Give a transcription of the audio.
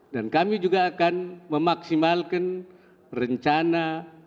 dan kami juga akan memaksimalkan rencana